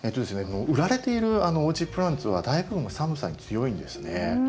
売られているオージープランツは大部分は寒さに強いんですね。